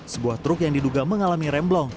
sebuah truk yang diduga mengalami remblong